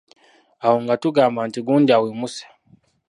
Awo nga tugamba nti gundi awemuse.